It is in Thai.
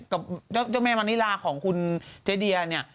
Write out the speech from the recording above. กับเจ้าแม่มณิลาของคุณเจ๊เดียเนี่ย